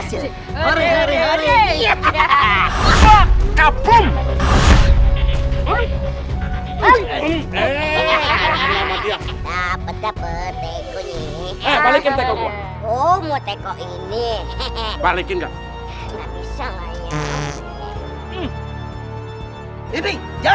seunyu unyu hehehe bos ngapain menabrak tabrak lagi lamaan ayo cepat kita kejar